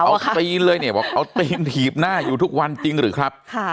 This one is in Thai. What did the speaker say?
เอาตีนเลยเนี่ยบอกเอาตีนถีบหน้าอยู่ทุกวันจริงหรือครับ